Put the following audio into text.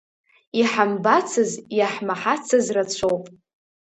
Иҳамбацыз, иаҳмаҳацыз рацәоуп.